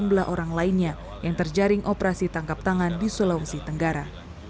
dan sejumlah orang lainnya yang terjaring operasi tangkap tangan di sulawesi tenggara